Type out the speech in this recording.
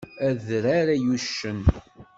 Adrar, ay uccen!